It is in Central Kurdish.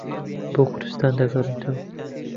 بۆ کوردستان دەگەڕێتەوە